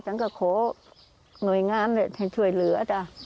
ฉันก็ขอหน่วยงานให้ช่วยเหลือจ้ะ